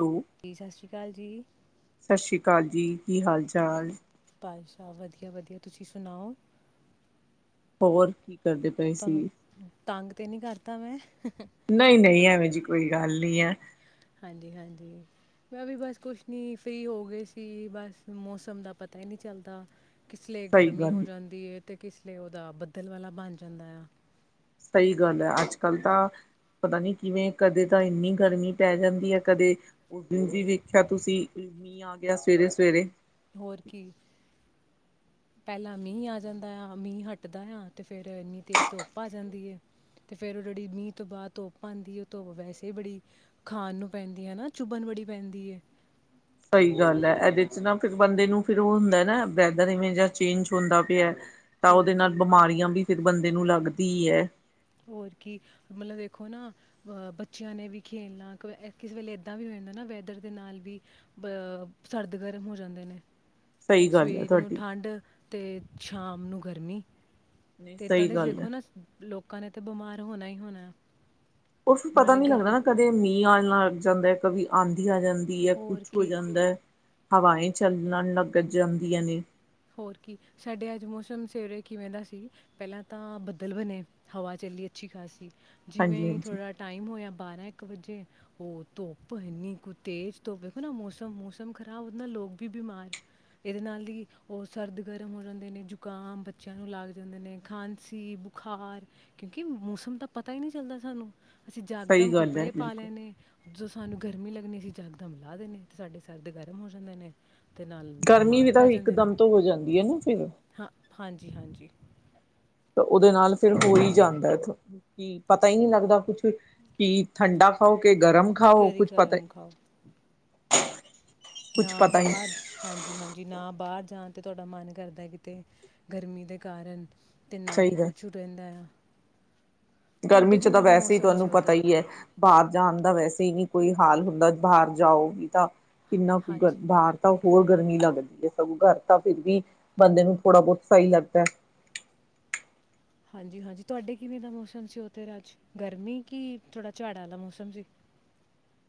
Hello ਜੀ ਸਤਿ ਸ਼੍ਰੀ ਅਕਾਲ ਜੀ ਸਤਿ ਸ੍ਰੀ ਅਕਾਲ ਜੀ ਜੀ ਕੀ ਹਾਲ ਚਾਲ ਅੱਛਾ ਵਧੀਆ ਵਧੀਆ ਤੁਸੀਂ ਸੁਣਾਓ ਹੋਰ ਕੀ ਕਰਦੇ ਪਏ ਤੁਹਾਨੂੰ ਸੀ ਤੰਗ ਤੇ ਨੀ ਕਰ, ਤਾਂ ਮੈਂ ਨਹੀਂ ਨਹੀਂ ਐਵੇਂ ਜੀ ਕੋਈ ਗੱਲ ਨੀ ਏਹ ਹਾਂਜੀ ਹਾਂਜੀ ਮੈਂ ਵੀ ਬਸ ਕੁਛ ਨੀ ਫਰੀ ਹੋ ਗਏ ਸੀ ਬਸ ਮੌਸਮ ਦਾ ਪਤਾ ਹੀ ਨਹੀ ਚੱਲਦਾ ਕਿਸ ਲਈ ਸਹੀ ਗਰਮੀ ਹੋ ਗੱਲ ਜਾਂਦੀ ਏ ਅਤੇ ਕਿਸ ਲਈ ਉਹਦਾ ਬੱਦਲ ਵਾਲਾ ਬਣ ਜਾਂਦਾ ਆ ਸਹੀ ਗੱਲ ਹੈ ਅੱਜ ਕੱਲ੍ਹ ਤਾਂ ਪਤਾ ਨੀ ਕਿਵੇਂ ਕਦੇ ਤਾਂ ਇੰਨੀ ਗਰਮੀ ਪੈ ਜਾਂਦੀ ਹੈ ਕਦੇ ਉਸ ਦਿਨ ਵੀ ਵੇਖਿਆ ਤੁਸੀਂ ਮੀਹ ਆ ਗਿਆ ਸਵੇਰੇ ਸਵੇਰੇ ਹੋਰ ਕੀ ਪਹਿਲਾਂ ਮੀਂਹ ਆ ਜਾਂਦਾ ਆ ਮੀਂਹ ਹੱਟਦਾ ਆ ਤੇ ਫੇਿਰ ਇੰਨੀ ਤੇਜ਼ ਧੁੱਪ ਆ ਜਾਂਦੀ ਹੈ ਤੇ ਫੇਿਰ ਉਹ ਜਿਹੜੀ ਮੀਂਹ ਤੋਂ ਬਾਅਦ ਧੁੱਪ ਆਉਂਦੀ ਹੈ ਉਹ ਧੁੱਪ ਵੈਸੇ ਬੜੀ ਖਾਣ ਨੂੰ ਪੈਂਦੀ ਹੈ ਹੈਾ ਚੁੱਭਣ ਬੜੀ ਪੈਂਦੀ ਹੈ ਸਹੀ ਗੱਲ ਹੈ ਇਹਦੇ ਚ ਨਾ ਫਿਰ ਬੰਦੇ ਨੂੰ ਫਿਰ ਉਹ ਹੁੰਦਾ ਨਾ ਵੈਦਰ ਇਵੇਂ ਜ ਚੇਂਜ ਹੁੰਦਾ ਪਿਆ ਤਾਂ ਹੋਰ ਉਹਦੇ ਨਾਲ ਕੀ ਬਿਮਾਰੀਆਂ ਵੀ ਫਿਰ ਬੰਦੇ ਨੂੰ ਲੱਗਦੀ ਏ ਹੋਰ ਕੀ ਮਤਲਬ ਦੇਖੋ ਨਾ ਅ ਬੱਚਿਆਂ ਨੇ ਵੀ ਖੇਲਣਾ ਕਿਸੇ ਵੇਲੇ ਏਦਾਂ ਵੀ ਹੋਦਾ ਨਾ ਵੈਦਰ ਦੇ ਨਾਲ ਵੀ ਅ ਸਰਦ ਗਰਮ ਹੋ ਜਾਂਦੇ ਨੇ ਸਹੀ ਗੱਲ ਹੈ ਸਵੇਰ ਨੂੰ ਤੁਹਾਡੀ ਠੰਢ ਤੇ ਸ਼ਾਮ ਨੂੰ ਗਰਮੀ ਨਹੀਂ ਤੇ ਏਦਾਂ ਸਹੀ ਤਾਂ ਗੱਲ ਹੈ ਵੇਖੋ ਨਾ ਲੋਕ ਤੇ ਬਿਮਾਰ ਹੋਣਾ ਹੀ ਹੋਣਾ ਉਸਨੂੰ ਪਤਾ ਨਾਲੇ ਨੀ ਲੱਗਦਾ ਗਰਮ ਨਾ ਕਦੇ ਮੀਂਹ ਆ ਨਾਲ ਜਾਂਦਾ ਕਦੀ ਆਂਧੀ ਆ ਜਾਂਦੀ ਈਆ ਹੋਰ ਕੁਛ ਹੋ ਕੀ ਜਾਂਦਾ ਏ ਹਵਾਏ ਚੱਲਣ ਲੱਗ ਜਾਂਦੀਆਂ ਨੇ ਹੋਰ ਕੀ ਸਾਡੇ ਅੱਜ ਮੌਸਮ ਸੇਵੇਰੇ ਕਿਵੇਂ ਦਾ ਸੀ ਪਹਿਲਾਂ ਤਾਂ ਬੱਦਲ ਬਣੇ ਹਵਾ ਚੱਲੀ ਅੱਛੀ ਖਾਸੀ ਹਾਂਜੀ ਜਿਵੇਂ ਹਾਂਜੀ ਥੋੜ੍ਹਾ ਟਾਈਮ ਹੋਇਆ ਬਾਰਾਂ ਇੱਕ ਵਜੇ ਉਹ ਧੁੱਪ ਇਨੀ ਕੁ ਤੇਜ਼ ਧੁੱਪ ਦੇੇਖੋ ਨਾ ਮੌਸਮ ਮੌਸਮ ਖ਼ਰਾਬ ਉਹਦੇ ਨਾਲ ਲੋਕ ਵੀ ਬਿਮਾਰ ਇਹਦੇ ਨਾਲ ਹੀ ਉਹ ਸਰਦ ਗਰਮ ਹੋ ਜਾਂਦੇ ਨੇ ਜ਼ੁਕਾਮ ਬੱਚਿਆਂ ਨੂੰ ਲੱਗ ਜਾਂਦੇ ਨੇ ਖਾਂਸੀ ਬੁਖਾਰ ਕਿਉਂਕਿ ਮੌਸਮ ਤਾਂ ਪਤਾ ਹੀ ਨਹੀਂ ਚੱਲਦਾ ਸਾਨੂੰ ਅਸੀਂ ਸਹੀ ਜਕਦਮ ਗੱਲ ਹੈ ਕੱਪੜੇ ਪਾ ਬਿਲਕੁਲ ਲੈਣੇ ਸਾਨੂੰ ਗਰਮੀ ਲੱਗਣੀ ਅਸੀਂ ਜਗਦਮ ਲਾ ਦੇਣੇ ਤੇ ਸਾਡੇ ਸਰਦ ਗਰਮ ਹੋ ਜਾਂਦੇ ਨੇ ਤੇ ਨਾਲ ਗਰਮੀ ਵੀ ਬਿਮਾਰ ਤਾਂ ਪੈ ਨੇ ਇਕਦਮ ਤੋਂ ਹੋ ਜਾਂਦੀ ਹੈ। ਨਾ ਫਿਰ ਹਾਂ ਹਾਂਜੀ ਹਾਂਜੀ ਤਾਂ ਉਹਦੇ ਨਾਲ ਫਿਰ ਹੋ ਹੀ ਜਾਂਦਾ ਕੀ ਪਤਾ ਹੀ ਨਹੀਂ ਲੱਗਦਾ ਕੁਛ ਕਿ ਠੰਡਾ ਖਾਓ ਕੇ ਗਰਮ ਖਾਓ, ਘਰੇ ਕੁਛ ਪਤਾ ਗਰਮ ਖਾਓ ਹੀ ਕੁਛ ਨਾ ਪਤਾ ਬਾਹਰ, ਹਾਂਜੀ ਹਾਂਜੀ ਨਾ ਬਾਹਰ ਜਾਣ ਤੇ ਤੁਹਾਡਾ ਮਨ ਕਰਦਾ ਕਿਤੇ ਗਰਮੀ ਦੇ ਕਾਰਨ ਅਤੇ ਨਾ ਸਹੀ ਹੀ ਹੈ ਕੁਛ ਰਹਿੰਦਾ ਏ ਗਰਮੀ ਚ ਤਾਂ ਵੈਸੇ ਹੀ ਸੀ ਤੁਹਾਨੂੰ ਪਤਾ ਉੱਧਰ ਹੀ ਹੈ। ਬਾਹਰ ਜਾਣ ਦਾ ਵੈਸੇ ਹੀ ਨਹੀਂ ਕੋਈ ਹਾਲ ਹੁੰਦਾ ਬਾਹਰ ਜਾਓਗੀ ਤਾਂ ਕਿੰਨਾ ਕੁ ਹਾਂਜੀ ਬਾਹਰ ਤਾਂ ਉਹ ਹੋਰ ਗਰਮੀ ਲੱਗਦੀ ਹੈ। ਸਗੋਂ ਘਰ ਤਾਂ ਫਿਰ ਵੀ ਬੰਦੇ ਨੂੰ ਥੋੜ੍ਹਾ ਬਹੁਤ ਸਹੀ ਲੱਗਦਾ ਹੈ। ਹਾਂਜੀ ਹਾਂਜੀ ਤੁਹਾਡੇ ਕਿਵੇਂ ਦਾ ਮੌਸਮ ਸੀ। ਉਥ ਅੱਜ ਗਰਮੀ ਕਿ ਥੋੜਾ ਝਾੜਾਂ ਦਾ ਮੌਸਮ ਸੀ?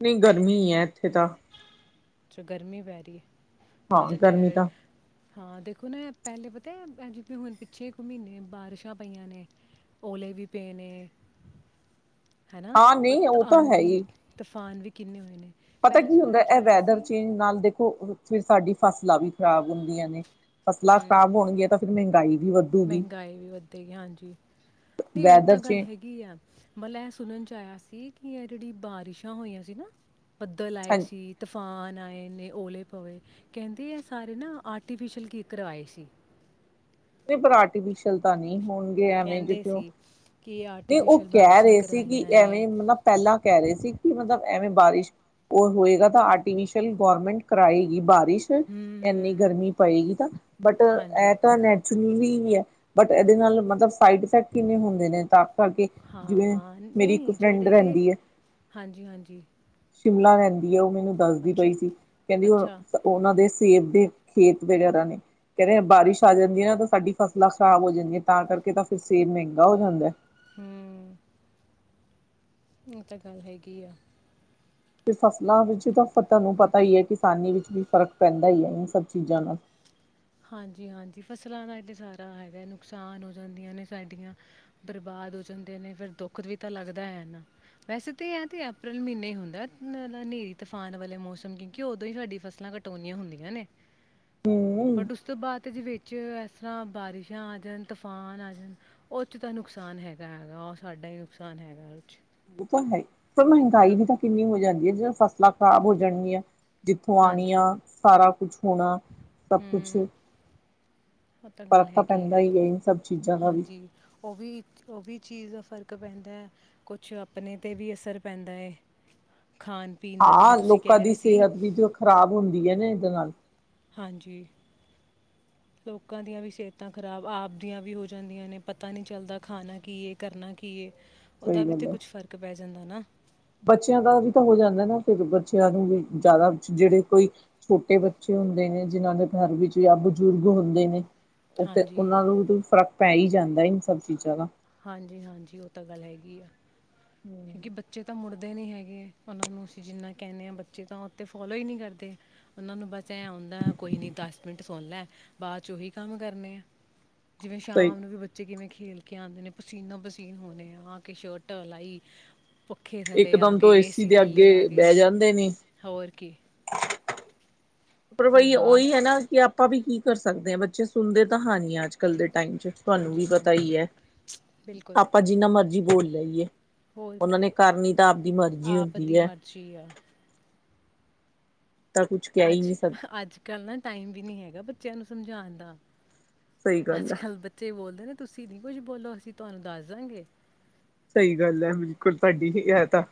ਨਹੀਂ ਗਰਮੀ ਹੈ। ਇੱਥੇ ਤਾਂ। ਅੱਛਾ। ਗਰਮੀ ਪੈ ਰਹੀ ਹੈ। ਮ ਹਾਂ ਤਾਂ ਗਰਮੀ ਡੈਰ, ਹਾਂ ਦੇਖੋ ਨਾ ਪਹਿਲੇ ਪਤਾ ਤੇ ਅਜ ਹੁਣ ਪਿੱਛੇ ਕੁ ਮਹੀਨੇ ਬਾਰਿਸ਼ਾਂ ਪਈਆਂ ਨੇ ਓਲੇ ਵੀ ਪਏ ਨੇ ਹਨਾ। ਹਾਂ ਨਹੀਂ ਉਹ ਤਾਂ ਹੈ ਆਂਦੀ ਹੀ ਤੂਫਾਨ ਵੀ ਕਿੰਨੇ ਵਲੇ ਪਤਾ ਕੀ ਹੁੰਦਾ ਇਹ ਵੈਦਰ ਚੇਂਜ ਨਾਲ ਦੇਖੋ ਫਿਰ ਸਾਡੀ ਫਸਲਾਂ ਵੀ ਖ਼ਰਾਬ ਹੁੰਦੀਆਂ ਨੇ ਫਸਲਾਂ ਹੂੰ ਖਰਾਬ ਹੋਣਗੀਆਂ, ਤਾਂ ਫਿਰ ਮਹਿੰਗਾਈ ਵੀ ਵਧ ਮਹਿੰਗਾਈ ਵੀ ਵੱਧੇਗੀ ਹਾਂਜੀ। ਨਹੀਂ ਉਹ ਵੈਦਰ ਤਾਂ ਗੱਲ ਚ ਹੈਗੀ ਆ ਮਤਲਬ ਇਹ ਸੁਣਨ ਚ ਆਇਆ ਸੀ। ਇਹ ਕੀ ਹੈ, ਜਿਹੜੀ ਬਾਰਿਸ਼ਾਂ ਹੋਈਆਂ ਸੀ ਨਾ ਬੱਦਲ ਆਏ ਸੀ ਤੂਫਾਨ ਆਏ ਨੇ ਓਲੇ ਪਵੇ ਕਹਿੰਦੇ ਆ ਸਾਰੇ ਨਾ ਆਰਟੀਫਿਸ਼ਲ ਕੀ ਕਰਵਾਏ ਸੀ। ਨਹੀਂ ਪਰ ਆਰਟੀਫਿਸ਼ਅਲ ਤਾਂ ਨਹੀਂ ਹੋਣਗੇ, ਐਵੇਂ ਜੋ ਕਹਿੰਦੇ ਕਿਉਂ ਸੀ ਕਿ ਨਹੀਂ, ਉਹ ਆਰਟੀਫਿਸ਼ਲ ਕਹਿ ਬਾਰਿਸ਼ਾਂ ਰਹੇ ਸੀ ਕਿ ਕਰਾਈਆਂ ਨੇ ਐਵੇਂ ਮਤਲਬ ਪਹਿਲਾਂ ਕਹਿ ਰਹੇ ਸੀ ਕਿ ਮਤਲਬ ਐਵੇਂ ਬਾਰਿਸ਼ ਉਹ ਹੋਏਗਾ ਤਾਂ ਆਰਟੀਫਿਸ਼ਲ ਗਵੌਰਮੈਂਟ ਕਰਾਏਗੀ ਬਾਰਿਸ਼ ਬਾਰ ਹੂੰ ਇੰਨੀ ਹੂੰ ਗਰਮੀ ਪਏਗੀ ਤਾਂ, ਬਟ ਹਾਂਜੀ ਇਹ ਤਾਂ ਨੈਚੁਰਲੀ ਕੀ, ਬਟ ਇਹਦੇ ਨਾਲ ਮਤਲਬ ਸਾਈਡ ਇਫੈਕਟ ਕਿੰਨੇ ਹੁੰਦੇ ਨੇ ਤਾਂ ਕਰਕੇ ਹਾਂ ਜਿਵੇਂ ਹਾਂ ਮੇਰੀ ਇੱਕ ਨਹੀਂ, ਫਰੈਂਡ ਜਿਹੜੇ ਤੇ ਰਹਿੰਦੀ ਹੈ ਹਾਂਜੀ ਹਾਂਜੀ। ਸ਼ਿਮਲਾ ਲੈਂਦੀ ਉਹ ਦੱਸਦੀ ਅੱਛਾ ਪਈ ਸੀ ਕਹਿੰਦੀ ਉਹ ਅੱਛਾ ਉਹਨਾਂ ਦੇ ਸੇਬ ਦੇ ਖੇਤ ਵਗੈਰਾ ਨੇ ਕਹਿੰਦੇ ਬਾਰਿਸ਼ ਆ ਜਾਂਦੀ ਹੈ ਨਾ ਤਾਂ ਸਾਡੀ ਫਸਲਾਂ ਖ਼ਰਾਬ ਹੋ ਜਾਂਦੀਆਂ ਤਾਂ ਕਰਕੇ ਤਾਂ ਫਿਰ ਸੇਬ ਮਹਿੰਗਾ ਹੋ ਜਾਂਦਾ ਹਮ ਇਹ ਤਾਂ ਗੱਲ ਹੈਗੀ ਆ ਤੇ ਫਸਲਾਂ ਵਿੱਚ ਤਾਂ ਤੁਹਾਨੂੰ ਪਤਾ ਹੀ ਹੈ ਕਿਸਾਨੀ ਵਿੱਚ ਵੀ ਫ਼ਰਕ ਪੈਂਦਾ ਹੀ ਹੈ ਇਹ ਸਭ ਚੀਜ਼ਾਂ ਨਾਲ ਹਾਂਜੀ ਹਾਂਜੀ ਫਸਲਾਂ ਦਾ ਇਹ ਤੇ ਸਾਰਾ ਹੈਗਾ ਨੁਕਸਾਨ ਹੋ ਜਾਂਦੀਆਂ ਨੇ ਸਾਡੀਆਂ ਬਰਬਾਦ ਹੋ ਜਾਂਦੀਆਂ ਨੇ ਫਿਰ ਦੁੱਖ ਵੀ ਤਾਂ ਲੱਗਦਾ ਹੈ ਨਾ ਵੈਸੇ ਤਾਂ ਇਹ ਤੇ ਅਪ੍ਰੈਲ ਮਹੀਨੇ ਹੀ ਹੁੰਦਾ ਹਨੇਰੀ ਤੂਫਾਨ ਵਾਲੇ ਮੌਸਮ ਕਿਉਂਕਿ ਉਦੋਂ ਹੀ ਸਾਡੀੀਆਂ ਫਸਲਾਂ ਕਟੋਉਣੀਆਂ ਹੁੰਦੀਆਂ ਨੇ ਹੂੰ। ਬਟ ਉਸ ਤੋਂ ਬਾਅਦ ਤੇ ਜ ਵਿੱਚ ਇਸ ਤਰ੍ਹਾਂ ਬਾਰਿਸ਼ਾਂ ਆ ਜਾਣ ਤੂਫਾਨ ਆ ਜਾਣ ਉਹ ਚ ਤਾਂ ਨੁਕਸਾਨ ਹੈਗਾ ਹੈਗਾ ਉਹ ਸਾਡਾ ਹੀ ਨੁਕਸਾਨ ਹੈਗਾ ਉਹ ਉਹ ਤਾਂ ਹੈ ਪਰ ਮਹਿੰਗਾਈ ਹਾਂ ਵੀ ਤਾਂ ਕਿੰਨੀ ਹੋ ਜਾਂਦੀ ਹੈ ਜ ਫਸਲ ਖ਼ਰਾਬ ਹੋ ਜਾਣਗੀਆਂ ਜਿੱਥੋਂ ਆਉਣੀ ਆ ਸਾਰਾ ਕੁਛ ਹੋਣਾ ਸਭ ਕੁਛ ਹਮ ਉਹ ਤਾਂ ਗੱਲ ਫ਼ਰਕ ਹੈਗੀ ਆ ਪੈਂਦਾ ਹੀ ਹੈ ਇਨ ਸਭ ਚੀਜ਼ਾਂ ਦਾ ਵੀ। ਹਾਂਜੀ ਉਹ ਵੀ ਉਹ ਵੀ ਚੀਜ਼ ਫ਼ਰਕ ਪੈਂਦਾ ਕੁਛ ਆਪਣੇ ਤੇ ਵੀ ਅਸਰ ਪੈਂਦਾ ਹੈ ਖਾਣ ਪੀਣ ਦਾ ਜਿਵੇਂ ਹਾਂ, ਤੁਸੀਂ ਲੋਕਾਂ ਕਹਿ ਰਹੇ ਦੀ ਸੀ ਸਿਹਤ ਵੀ ਜੇ ਖ਼ਰਾਬ ਹੁੰਦੀ ਹੈ ਨਾ, ਇਹਦੇ ਨਾਲ। ਹਾਂਜੀ, ਲੋਕਾਂ ਦੀਆਂ ਵੀ ਸਿਹਤਾਂ ਖ਼ਰਾਬ। ਆਪ ਦੀਆਂ ਵੀ ਹੋ ਜਾਂਦੀਆਂ ਨੇ। ਪਤਾ ਨਹੀਂ ਚੱਲਦਾ, ਖਾਣਾ ਕੀ ਹੈ? ਕਰਨਾ ਕੀ ਹੈ? ਸਹੀ ਉਹਦਾ ਵੀ ਗੱਲ ਤਾਂ ਹੈ। ਕੁਛ ਫਰਕ ਪੈ ਜਾਂਦਾ ਨਾ ਬੱਚਿਆਂ ਦਾ ਵੀ ਤਾਂ ਹੋ ਜਾਂਦਾ ਨਾ। ਫਿਰ ਬੱਚਿਆਂ ਨੂੰ ਵੀ ਜ਼ਿਆਦਾ, ਜਿਹੜੇ ਕੋਈ ਛੋਟੇ ਬੱਚੇ ਹੁੰਦੇ ਨੇ ਜਿਹਨਾਂ ਦੇ ਘਰ ਵਿੱਚ, ਜਾਂ ਬਜ਼ੁਰਗ ਹੁੰਦੇ ਨੇ [inaudible] ਉਹ ਤੇ ਹਾਂਜੀ ਉਹਨਾਂ ਨੂੰ ਵੀ ਫ਼ਰਕ ਪੈ ਹੀ ਜਾਂਦਾ ਇਨ ਸਭ ਚੀਜ਼ਾਂ ਦਾ [inaudible] ਹਾਂਜੀ-ਹਾਂਜੀ। ਉਹ ਤਾਂ ਗੱਲ ਹੈਗੀ ਆ। ਹੈ ਕਿ ਬੱਚੇ ਤਾਂ ਮੁੜ ਦੇ ਨੀ ਹੈਗੇ। ਉਹਨਾਂ ਨੂੰ ਅਸੀਂ ਜਿੰਨਾ ਕਹਿੰਦੇ ਹਾਂ, ਬੱਚੇ ਤਾਂ ਉਹ ਤੇ ਫੋਲੋ ਹੀ ਨਹੀਂ ਕਰਦੇ। ਉਹਨਾਂ ਨੂੰ ਬਸ ਐ ਆਉਂਦਾ ਕੋਈ ਨੀ ਦਸ ਮਿੰਟ ਸੁਣ ਲੈ ਬਾਅਦ ਚ ਉਹੀ ਕੰਮ ਕਰਨੇ ਆ। ਜਿਵੇਂ ਸਹੀ ਸ਼ਾਮ ਨੂੰ ਵੀ ਬੱਚੇ ਕਿਵੇਂ ਖ ਖੇਲ ਕੇ ਆਉਂਦੇ ਨੇ ਪਸੀਨਾ ਪਸੀਨ ਹੂਨੇ ਆ। ਆ ਕੇ ਸ਼ਰਟ ਲਾਈ ਪੱਖੇ ਇਕ ਥੱਲੇ ਆ ਦਮ ਤੋਂ ਏ ਗਏ ਸੀ ਏਸੀ ਦੇ ਅੱਗੇ ਥੱਲੇ ਆ ਗਏ ਬਹਿ ਜਾਂਦੇ ਨੇ ਹੋਰ ਕੀ ਪਰ ਫਿਰ ਵਈ ਬਾਅਦ ਉਹੀ ਐ 'ਚ- ਨਾ ਕਿ ਆਪਾਂ ਵੀ ਕੀ ਕਰ ਸਕ ਸਕਦੇ ਆ, ਬੱਚੇ ਸੁਣਦੇ ਤਾਂ ਹਾ ਨੀ ਅੱਜ-ਕੱਲ ਦੇ। ਟਾਈਮ ਚ, ਤੁਹਾਨੂੰ ਵੀ ਹਾਂਜੀ ਪਤਾ ਹਾਂਜੀ ਹੀ ਹੈ। ਬਿਲਕੁਲ ਆਪਾਂ ਜਿੰਨਾ ਮਰਜੀ ਬੋਲ ਲਈਏ ਹੋਰ ਉਹਨਾਂ ਕੀ ਨੇ ਕਰਨੀ ਤਾਂ ਆਪਦੀ ਮਰਜ਼ੀ ਆਪ ਹੁੰਦੀ ਦੀ ਹੈ। ਮਰਜ਼ੀ ਆ ਤਾਂ ਕੁਛ ਕਹਿ ਹੀ ਨਹੀਂ ਸਕ ਅੱਜ-ਕੱਲ ਨਾ ਟਾਈਮ ਵੀ ਨੀ ਹੈਗਾ ਬੱਚਿਆਂ ਨੂੰ ਸਮਝਾਉਣ ਦਾ ਸਹੀ ਗੱਲ ਹੈ ਅੱਜ-ਕੱਲ੍ਹ ਬੱਚੇ ਬੋਲਦੇ ਨੇ ਤੁਸੀਂ ਨੀ ਕੁਝ ਬੋਲੋ, ਅਸੀਂ ਤੁਹਾਨੂੰ ਦੱਸਦਾਂਗੇ। ਸਹੀ ਗੱਲ ਐ ਬਿਲਕੁਲ ਤੁਹਾਡੀ ਇਹ ਤਾਂ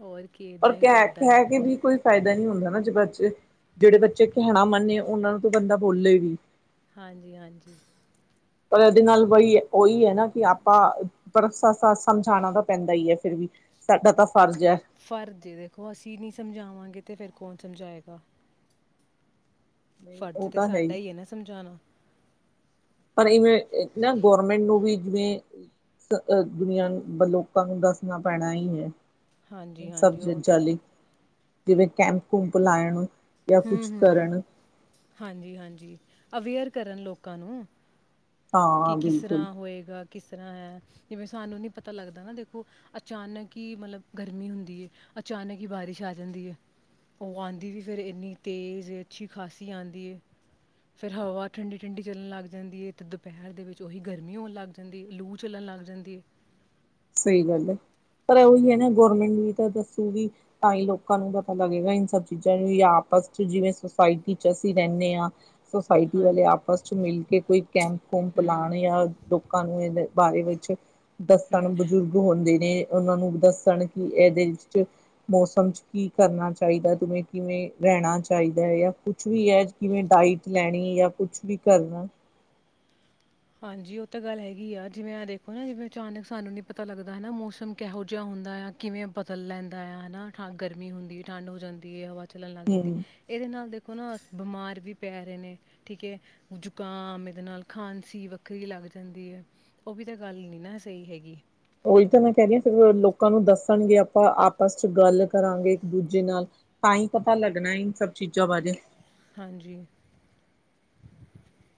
ਹੋਰ ਕੀ ਔਰ ਇਦਾਂ ਹੀ ਚੱਲਦਾ ਹੈ ਕਹਿ-ਕਹਿ ਕੇ ਵੀ ਕੋਈ ਫਾਇਦਾ ਨੀ ਹੁੰਦਾ ਨਾ। ਬੱਚੇ, ਜਿਹੜੇ ਬੱਚੇ ਕਹਿਣਾ ਮੰਨੇ, ਉਹਨਾਂ ਨੂੰ ਤਾਂ ਬੰਦਾ ਬੋਲੇ ਵੀ। ਹਾਂਜੀ-ਹਾਂਜੀ। ਪਰ ਇਹਦੇ ਨਾਲ ਬਈ ਉਹੀ ਹੈ ਨਾ ਕਿ ਆਪਾਂ [inaudible] ਸਮਝਾਣਾ ਤਾਂ ਪੈਂਦਾ ਹੀ ਹੈ ਫਿਰ ਵੀ ਸਾਡਾ ਤਾਂ ਫਰਜ਼ ਹੈ ਫਰਜ਼ ਏ ਦੇਖੋ, ਅਸੀਂ ਨੀ ਸਮਝਾਵਾਂਗੇ ਤੇ ਫਿਰ ਕੌਣ ਸਮਝਾਏਗਾ। ਨਹੀਂ ਫਰਜ਼ ਉਹ ਤੇ ਤਾਂ ਸਾਡਾ ਹੀ ਹੈ ਨਾ ਸਮਝਾਣਾ। ਪਰ ਇਵੇਂ ਨਾ, ਗੌਰਮੈਂਟ ਨੂੰ ਵੀ ਜਿਵੇਂ ਦੁਨੀਆਂ ਨੂੰ ਲੋਕਾਂ ਨੂੰ ਦੱਸਣਾ ਪੈਣਾ ਹੀ ਹੈ। ਹਾਂਜੀ ਹਾਂਜੀ ਸਬਜ਼ੀ ਉਹ ਤਾਂ ਜਾਲੀ ਜਿਵੇਂ ਕੈਂਪ-ਕੁੰਪ ਲਾਇਣ ਹੂੰ- ਹੂੰ, ਹਾਂਜੀ-ਹਾਂਜੀ। ਅਵੇਅਰ ਕਰਨ ਲੋਕਾਂ ਨੂੰ ਕਿ ਹਾਂ ਕਿਸ ਬਿਲਕੁਲ ਤਰ੍ਹਾਂ ਹੋਏਗਾ ਕਿਸ ਤਰ੍ਹਾਂ ਹੈ ਜਿਵੇਂ ਸਾਨੂੰ ਨੀ ਪਤਾ ਲੱਗਦਾ ਨਾ ਦੇਖੋ ਅਚਾਨਕ ਹੀ ਮਤਲਬ ਗਰਮੀ ਹੁੰਦੀ ਹੈ, ਅਚਾਨਕ ਹੀ ਬਾਰਿਸ਼ ਆ ਜਾਂਦੀ ਹੈ, ਉਹ ਆਉਂਦੀ ਵੀ ਫੇਰ ਇਨੀ ਤੇਜ਼ ਅੱਛੀ ਖਾਸੀ ਆਂਦੀ ਏ ਫੇਰ ਹਵਾ ਠੰਡੀ- ਠੰਡੀ ਚੱਲਣ ਲੱਗ ਜਾਂਦੀ ਏ ਤੇ ਦੁਪਹਿਰ ਦੇ ਵਿੱਚ ਉਹੀ ਗਰਮੀ ਹੋਣ ਲੱਗ ਜਾਂਦੀ ਏ ਲੂ ਚੱਲਣ ਲੱਗ ਜਾਂਦੀ ਹੈ। ਸਹੀ ਗੱਲ ਹੈ, ਪਰ ਉਹੀ ਹੈ ਨਾ ਗੌਰਮੈਂਟ ਨੂੰ ਵੀ ਤਾਂ ਦੱਸੂਗੀ ਤਾਂ ਹੀ ਲੋਕਾਂ ਨੂੰ ਪਤਾ ਲੱਗੇਗਾ, ਇਹ ਸਭ ਚੀਜ਼ਾਂ ਨੂੰ ਆਪਸ ਚ ਜਿਵੇਂ ਸੁਸਾਇਟੀ ਚ ਅਸੀਂ ਰਹਿੰਣੇ ਆਂ। ਸੁਸਾਇਟੀ ਵਾਲੇ ਹਾਂਜੀ ਆਪਸ ਚ ਮਿਲ ਕੇ ਕੋਈ ਕੈਂਪ- ਕੁੰਪ ਹੂੰ ਲਾਣ ਜਾਂ ਲੋਕਾਂ ਨੂੰ ਇਹ ਬਾਰੇ ਵਿੱਚ ਦੱਸਣ ਹੂੰ ਦ ਹੁੰਦੇ ਨੇ ਉਹਨਾਂ ਨੂੰ ਦੱਸਣ ਕਿ ਇਹਦੇ ਵਿਚ ਮੌਸਮ ਚ ਕੀ ਕਰਨਾ ਚਾਹੀਦਾ ਤ ਕਿਵੇਂ ਕਿਵੇਂ ਰਹਿਣਾ ਚਾਹੀਦਾ ਹੈ, ਕੁਛ ਵੀ ਆ ਕਿਵੇਂ ਡਾਇਟ ਲੈਣੀ ਜਾ ਕੁਛ ਵੀ ਕਰਨਾ। ਹਾਂਜੀ ਉਹ ਤਾਂ ਗੱਲ ਹੈਗੀ ਆ ਜਿਵੇਂ ਦੇਖੋ ਨਾ ਜਿਵੇਂ ਅਚਾਨਕ ਸਾਨੂੰ ਨੀ ਪਤਾ ਲੱਗਦਾ ਹਨਾ, ਮੌਸਮ ਕਿਹੋ ਜਿਹਾ ਹੁੰਦਾ ਆ ਕਿਵੇਂ ਬਦਲ ਲੈਂਦਾ ਆ ਹਨਾ, ਠ ਗਰਮੀ ਹੁੰਦੀ ਹੈ ਠੰਡ ਹੋ ਜਾਂਦੀ ਹੈ, ਹਵਾ ਚੱਲਣ ਲੱਗ ਜਾਂਦੀ ਹਮ ਇਹਦੇ ਨਾਲ ਦੇਖੋ ਉਹ ਨਾ ਬਿਮਾਰ ਵੀ ਪੈ ਰਹੇ ਨੇ ਠੀਕ ਹੈ, ਜ਼ੁਕਾਮ ਇਹਦੇ ਨਾਲ ਖਾਂ ਸੀ ਵੱਖਰੀ ਲੱਗ ਜਾਂਦੀ ਹੈ ਉਹ ਵੀ ਤਾਂ ਗੱਲ ਨੀ ਨਾ ਸਹੀ ਹੈਗੀ। ਉਹੀ ਤਾਂ ਮੈਂ ਕਹਿ ਰ ਫਿਰ ਲੋਕਾਂ ਨੂੰ ਦੱਸਣਗੇ ਆਪਾਂ ਆਪਸ ਚ ਗੱਲ ਕਰਾਂਗੇ ਇੱਕ ਦੂਜੇ ਨਾਲ ਤਾਂ ਹੀ ਪਤਾ ਲੱਗਣਾ ਇਨ ਸਭ ਚੀਜ਼ਾਂ ਬਾਰੇ। ਹਾਂਜੀ,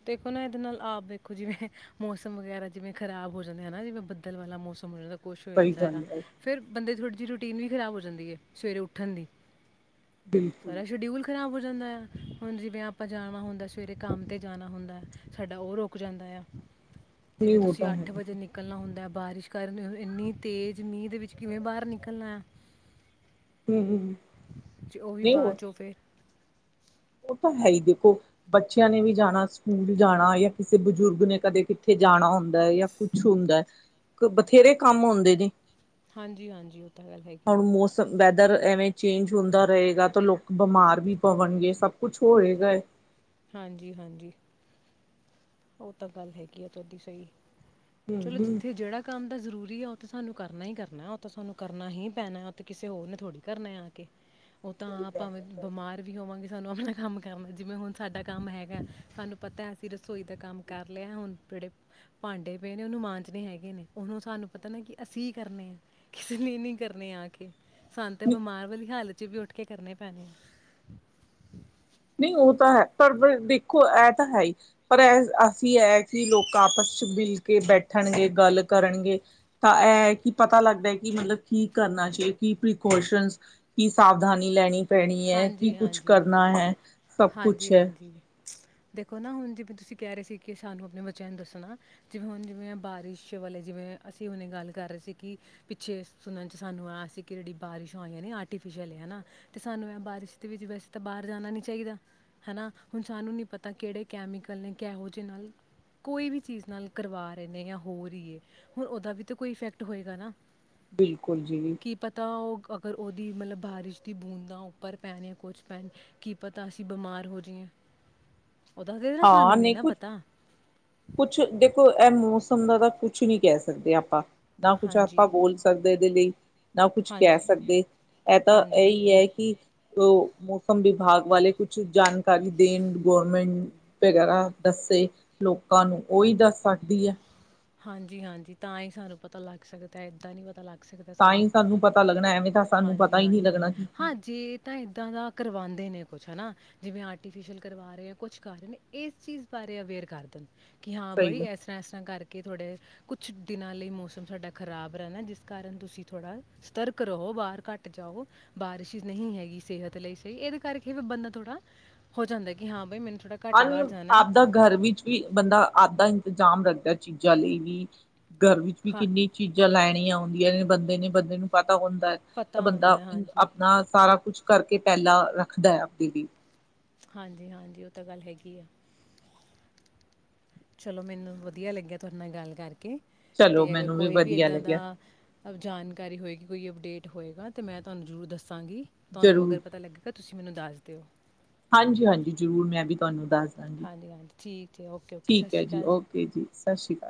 ਦੇਖੋ ਨਾ ਇਹਦੇ ਨਾਲ ਆਪ ਦੇਖੋ ਜਿਵੇਂ ਮੌਸਮ ਵਗੈਰਾ ਜਿਵੇਂ ਖ਼ਰਾਬ ਹੋ ਜਾਂਦੇ ਹਨਾ, ਜਿਵੇਂ ਬੱਦਲ ਵਾਲਾ ਮੌਸਮ ਹੋ ਜਾਂਦਾ। ਕੁਛ ਹੋ ਸਹੀ ਜਾਂਦਾ ਆ ਗੱਲ ਹੈ ਫਿਰ ਬੰਦੇ ਥੋੜ੍ਹੇ ਰੂਟੀਨ ਵੀ ਖ਼ਰਾਬ ਹੋ ਜਾਂਦੀ ਹੈ ਸਵੇਰੇ ਉੱਠਣ ਦੀ ਬਿਲਕੁਲ ਸਾਰਾ ਸ਼ਡਿਊਲ ਖਰਾਬ ਹੋ ਦ ਨੈ [inaudible] ਹੁਣ ਜਿਵੇਂ ਆਪਾਂ ਜਾਣਾ ਹੁੰਦਾ ਸਵੇਰੇ ਕੰਮ ਤੇ ਜਾਣਾ ਹੁੰਦਾ ਸਾਡਾ ਉਹ ਰੁਕ ਜਾਂਦਾ ਆ। ਨਹੀਂ ਜਿਵੇਂ ਉਹ ਤੁਸੀਂ ਤਾਂ ਹੈ ਅੱਠ ਵਜੇ ਨਿਕਲਣਾ ਹੁੰਦਾ। ਬਾਰਿਸ਼ ਦੇ ਕਾਰਨ ਇੰਨੀ ਤੇਜ਼ ਮੀਂਹ ਦੇ ਵਿੱਚ ਕਿਵੇਂ ਬਾਹਰ ਨਿਕਲਣਾ ਆ। ਹੂੰ, ਹੂੰ ਜੇ ਉਹ ਵੀ ਬਾਅਦ ਚੋਂ ਫਿਰ ਉਹ ਤਾਂ ਹੈ ਈ ਦੇਖੋ, ਬੱਚਿਆਂ ਨੇ ਵੀ ਜਾਣਾ ਸਕੂਲ ਜਾਣਾ ਜਾਂ ਕਿਸੇ ਬਜ਼ੁਰਗ ਨੇ ਕਦੇ ਕਿੱਥੇ ਜਾਣਾ ਹੁੰਦਾ ਜਾਂ ਕੁਛ ਹੁੰਦਾ ਐ, ਬਥੇਰੇ ਕੰਮ ਹੁੰਦੇ ਨੇ ਹਾਂਜੀ ਹਾਂਜੀ ਉਹ ਤਾਂ ਗੱਲ ਹੈਗੀ ਹੁਣ ਆ ਮੌਸਮ ਵੈਦਰ ਐਵੇਂ ਚੇਂਜ ਹੁੰਦਾ ਰਹੇਗਾ ਤਾਂ ਲੋਕ ਬਿਮਾਰ ਵੀ ਪਵਣਗੇ ਸਭ ਕੁਛ ਹੋਏਗਾ ਹਾਂਜੀ ਹਾਂਜੀ। ਉਹ ਤਾਂ ਗੱਲ ਹੈਗੀ ਆ ਤੁਹਾਡੀ ਸਹੀ ਹਮ ਚਲੋ ਹਮ ਜਿੱਥੇ ਜਿਹੜਾ ਕੰਮ ਤਾਂ ਜਰੂਰੀ ਆ ਤਾਂ ਸਾਨੂੰ ਕਰਨਾ ਹੀ ਕਰਨਾ ਉਹ ਤਾਂ ਸਾਨੂੰ ਕਰਨਾ ਹੀ ਪੈਣਾ ਉਹ ਤੇ ਕਿਸੇ ਹੋਰ ਨੇ ਥੋੜ੍ਹੀ ਕਰਨਾ ਆ ਕੇ ਉਹ ਸਹੀ ਤਾਂ ਗੱਲ ਭਾਵੇਂ ਹੈ ਬਿਮਾਰ ਵੀ ਹੋਵਾਂਗੇ ਸਾਨੂੰ ਆਪਣਾ ਕੰਮ ਕਰ ਜਿਵੇਂ ਹੁਣ ਸਾਡਾ ਕੰਮ ਹੈਗਾ ਸਾਨੂੰ ਪਤਾ ਐ ਅਸੀਂ ਰਸ ਰਸੋਈ ਦਾ ਕੰਮ ਕਰ ਲਿਆ, ਹੁਣ ਜਿਹੜੇ ਭਾਂਡੇ ਪਏ ਨੇ ਉਹਨੂੰ ਮਾਂਜਣੇ ਹੈਗੇ ਨੇ, ਉਹਨੂੰ ਸਾਨੂੰ ਪਤਾ ਨਾ ਕਿ ਅਸੀਂ ਕਰਨੇ ਐ। ਕਿਸੇ ਨੇ ਨਹੀਂ ਕਰਨੇ ਆ ਕੇ। ਸਾਨੂੰ ਤੇ ਨਹੀਂ ਬਿਮਾਰ ਵਾਲੀ ਹਾਲਤ ਵਿੱਚ ਵੀ ਉੱਠ ਕੇ ਕਰਨਾ ਪੈਣਾ। ਨਈਂ ਉਹ ਤਾਂ ਹੈ, ਪਰ ਪ ਦੇਖੋ ਇਹ ਤਾਂ ਹੈ ਈ, ਪਰ ਏ ਇਹ ਅਸੀਂ ਇਹ ਕਿ ਲੋਕ ਆਪਸ ਚ ਮਿਲ ਕੇ ਬੈਠਣਗੇ, ਗੱਲ ਕਰਨਗੇ ਤਾਂ ਇਹ ਕਿ ਪਤਾ ਲੱਗਦਾ ਕਿ ਮਤਲਬ ਕੀ ਕਰਨਾ ਚਾਹੀਦਾ, ਕੀ ਪ੍ਰੀਕੋਸ਼ਨ, ਕੀ ਸਾਵਧਾਨੀ ਲੈਣੀ। ਪੈਣੀ ਐ ਕਿ ਹਾਂਜੀ ਕੁਛ ਹਾਂਜੀ ਕਰਨਾ ਹੈ। ਸਭ ਕੁਛ ਹਾਂਜੀ ਹੈ ਹਾਂਜੀ। ਦੇਖੋ ਨਾ ਹੁਣ ਜਿਵੇਂ ਤੁਸੀਂ ਕਹਿ ਰਹੇ ਸੀ ਕਿ ਸਾਨੂੰ ਆਪਣੇ ਬੱਚਿਆਂ ਨੂੰ ਦੱਸਣਾ ਜਿਵੇਂ ਹੁਣ ਜਿਵੇਂ ਬਾਰਿਸ਼ ਵਾਲੇ ਜਿਵੇਂ ਅਸੀਂ ਹੁਣੇ ਗੱਲ ਕਰ ਰਹੇ ਸੀ ਕਿ ਪਿੱਛੇ ਸੁਣਨ ਚ ਸਾਨੂੰ ਆਇਆ ਸੀ ਕਿ ਜਿਹੜੀ ਬਾਰਿਸ਼ ਹੋਈਆਂ ਨੇ ਆਰਟੀਫਿਸ਼ਲ ਏ ਨਾਂ ਸਾਨੂੰ ਐ ਬਾਰਿਸ਼ ਦੇ ਵਿੱਚ ਵੈਸੇ ਤਾਂ ਬਾਹਰ ਜਾਣਾ ਨਹੀਂ ਚਾਹੀਦਾ ਹੈਨਾ! ਹੁਣ ਸਾਨੂੰ ਨਹੀਂ ਪਤਾ ਕਿਹੜੇ ਕੈਮੀਕਲ ਨੇ ਕਿਹੋ ਜਿਹੇ ਨਾਲ ਕੋਈ ਵੀ ਚੀਜ਼ ਨਾਲ ਕਰਵਾ ਰਹੇ ਨੇ ਜਾਂ ਹੋ ਰਹੀ ਐ, ਹੁਣ ਉਹਦਾ ਵੀ ਤਾਂ ਕੋਈ ਇਫੈਕਟ ਹੋਏਗਾ ਨਾ। ਬਿਲਕੁਲ ਜੀ। ਕੀ ਪਤਾ ਉਹ ਅਗਰ ਉਹਦੀ ਮਤਲਬ ਬਾਰਿਸ਼ ਦੀ ਬੂੰਦ ਉੱਪਰ ਪੈਣੇ ਆ ਕੁਝ ਪੈ ਕੀ ਪਤਾ ਅਸੀਂ ਬਿਮਾਰ ਹੋ ਜਿਈਏ। ਹਾਂ ਨਹੀਂ ਕੁਛ, ਕੁਛ ਦੇਖੋ ਇਹ ਮੌਸਮ ਦਾ ਤਾਂ ਕੁਛ ਨਹੀਂ ਕਹਿ ਸਕਦੇ ਆਪਾਂ ਨਾ ਕੁਛ ਆਪਾਂ ਹਾਂਜੀ, ਬੋਲ ਸਕਦੇ [unintelligible] ਨਾ ਕੁਛ ਕਹਿ ਹਾਂਜੀ, ਸਕਦੇ ਇਹ ਤਾਂ ਹਾਂਜੀ। ਇਹੀ ਐ ਕਿ ਓ ਮੌਸਮ ਵਿਭਾਗ ਵਾਲੇ ਕੁਛ ਜਾਣਕਾਰੀ ਦੇਣ ਗੋਰਮੈਂਟ ਵਗੈਰਾ ਦੱਸੇ ਲੋਕਾਂ ਨੂੰ ਉਹੀ ਦੱਸ ਸਕਦੀ ਐ। ਹਾਂਜੀ ਹਾਂਜੀ ਤਾਂ ਹੀ ਸਾਨੂੰ ਪਤਾ ਲੱਗ ਸਕਦਾ ਏਦਾਂ ਨਈਂ ਪਤਾ ਲੱਗ ਤਾਂ ਸਾਨੂੰ ਹੀ ਪਤਾ ਲੱਗਣਾ ਐਵੇਂ ਤਾਂ ਸਾਨੂੰ ਹਾਂਜੀ, ਹਾਂਜੀ, ਪਤਾ ਹੀ ਨਹੀਂ ਹਾਂਜੀ। ਲੱਗਣਾ ਕਿ ਕੀ ਹਾਂ ਜੇ ਤਾਂ ਏਦਾਂ ਦਾ ਕਰਵਾਂਦੇ ਨੇ ਕੁਛ ਹਭ੍ਹਨਾ ਜਿਵੇਂ ਆਰਟੀਫਿਸ਼ਲ ਕਰਵਾ ਰਹੇ ਆ ਕੁਛ ਕਰ ਰਹੇ ਨੇ ਇਸ ਚੀਜ਼ ਬਾਰੇ ਅਵੇਅਰ ਕਰ ਦੇਣ ਕਿ ਹਾਂ ਬਈ ਸਹੀ ਹੈ ਇਸ ਅਰ੍ਹਾਂ, ਇਸ ਅਰ੍ਹਾਂ ਕਰਕੇ ਥੋੜੇ ਕੁਛ ਦਿਨਾਂ ਲਈ ਮੌਸਮ ਸਾਡਾ ਖ਼ਰਾਬ ਰਹਿਣਾ ਜਿਸ ਕਾਰਨ ਤੁਸੀਂ ਥੋੜਾ ਸਤਰਕ ਰਹੋ, ਬਾਹਰ ਘੱਟ ਜਾਓ, ਬਾਰਿਸ਼ ਨਹੀਂ ਹੈਗੀ ਸਿਹਤ ਲਈ ਸਹੀ। ਇਹਦੇ ਕਰਕੇ ਬੰਦਾ ਥੋੜਾ ਹੋ ਜਾਂਦਾ ਕਿ ਹਾਂ ਬਾਈ ਮੈਨੂੰ ਥੋੜ੍ਹਾ ਘੱਟ ਹਾਂਜੀ ਬਾਹਰ ਜਾਣਾ ਹੈ। ਆਪਦਾ ਘਰ ਵਿੱਚ ਵੀ ਬੰਦਾ ਆਪਦਾ ਇੰਤ ਜਾਮ ਰੱਖਦਾ ਚੀਜ਼ਾਂ ਲਈ ਵੀ ਘਰ ਵਿੱਚ ਵੀ ਹਾਂ, ਕਿੰਨੀ ਚੀਜ਼ਾਂ ਲੈਣੀਆਂ ਆਉਂਦੀਆਂ ਨੇ ਬੰਦੇ ਨੇ ਬੰਦੇ ਨੂੰ ਪਾਤੀ- ਪਤਾ ਹੁੰਦਾ ਹੈ, ਤਾਂ ਪਤਾ ਬੰਦਾ ਹੁੰਦਾ, ਹੈ। ਹਾਂਜੀ। ਆਪਣਾ ਸਾਰਾ ਕੁਛ ਕਰਕੇ ਪਹਿਲਾਂ ਰੱਖਦਾ ਆ ਆਪਦੀ ਲਈ ਹਾਂਜੀ-ਹਾਂਜੀ ਉਹ ਤਾਂ ਗੱਲ ਹੈਗੀ ਏ ਚਲੋ ਮੈਨੂੰ ਵਧੀਆ ਲੱਗਿਆ ਤੁਹਾਡੇ ਨਾਲ ਗੱਲ ਕਰਕੇ ਤੇ ਚਲੋ ਅਗਰ ਮੈਨੂੰ ਕੋਈ ਵੀ ਵਧੀਆ ਇਏਦਾਂ ਲੱਗਿਆ ਦਾ ਜਾਣਕਾਰੀ ਹੋਏਗੀ ਕੋਈ ਅਪਡੇਟ ਹੋਏਗਾ ਤੇ ਮੈਂ ਤੁਹਾਨੂੰ ਜ਼ਰੂਰ ਦੱਸ ਦੱਸਾਂਗੀ ਤੁਹਾਨੂੰ ਜ਼ਰੂਰ ਅਗਰ ਪਤਾ ਲੱਗੇਗਾ ਤੁਸੀਂ ਮੈਨੂੰ ਦੱਸ ਦਿਓ। ਹਾਂਜੀ ਹਾਂਜੀ ਜ਼ਰੂਰ ਮੈਂ ਵੀ ਤੁਹਾਨੂੰ ਦੱਸ ਦਾਂਗੀ ਹਾਂਜੀ- ਹਾਂਜੀ ਠੀਕ ਹੈ ਓਕੇ ਓਕੇ ਸਤਿ ਠੀਕ ਹੈ ਸ਼੍ਰੀ ਅਕਾਲ ਜੀ। ਓਕੇ ਸਤਿ ਸ਼੍ਰੀ ਅਕਾਲ